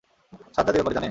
সাজ্জাদ এ ব্যাপারে জানে?